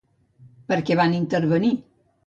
Per què van intervenir?